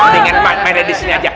tinggal main main aja di sini aja